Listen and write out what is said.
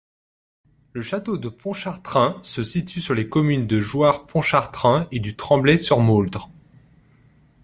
Le château de Pontchartrain se situe sur les communes de Jouars-Pontchartrain et du Tremblay-sur-Mauldre.